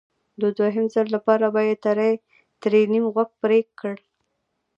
د دویم ځل لپاره به یې ترې نیم غوږ پرې کړ